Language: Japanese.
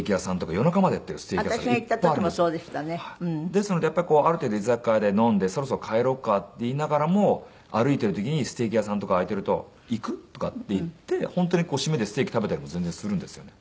ですのでやっぱりある程度居酒屋で飲んでそろそろ帰ろうかって言いながらも歩いている時にステーキ屋さんとか開いてると行く？とかっていって本当にシメでステーキ食べたりも全然するんですよね。